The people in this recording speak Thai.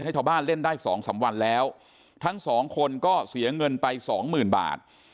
ให้ชาวบ้านเล่นได้๒๓วันแล้วทั้ง๒คนก็เสียเงินไป๒๐๐๐๐บาท